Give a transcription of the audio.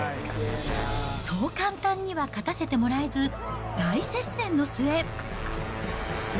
そう簡単には勝たせてもらえず、大接戦の末。